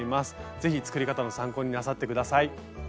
ぜひ作り方の参考になさって下さい。